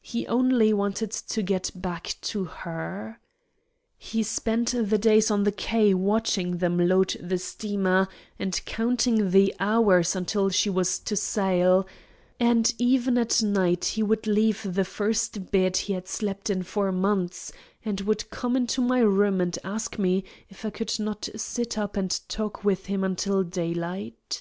He only wanted to get back to her. He spent the days on the quay watching them load the steamer, and counting the hours until she was to sail; and even at night he would leave the first bed he had slept in for six months, and would come into my room and ask me if I would not sit up and talk with him until daylight.